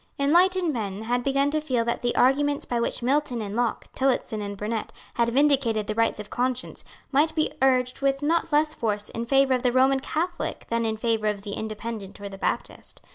Enlightened men had begun to feel that the arguments by which Milton and Locke, Tillotson and Burnet, had vindicated the rights of conscience might be urged with not less force in favour of the Roman Catholic than in favour of the Independent or the Baptist.